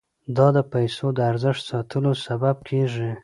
دا د پیسو د ارزښت ساتلو سبب کیږي.